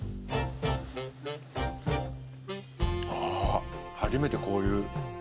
ああ初めてこういう。